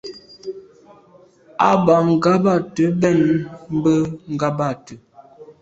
A ba nganabte mbèn mbe ngabàgte.